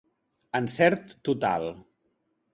Encert total.